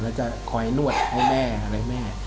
แล้วจะคอยนวดให้แม่